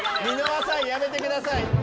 箕輪さんやめてください！